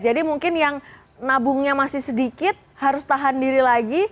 jadi mungkin yang nabungnya masih sedikit harus tahan diri lagi